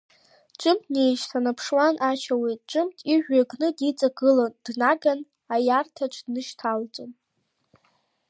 Ҿымҭ днеишьҭаԥшуан Ача уи, ҿымҭ ижәҩа кны диҵагыланы днаган аиарҭаҿ днышьҭалҵон.